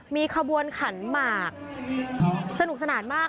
มีขบวนขันหมากสนุกสนานมาก